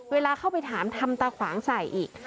เวลาเข้าไปถามทำตาขวางใส่อีก